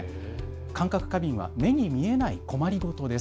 感覚過敏は目に見えない困り事です。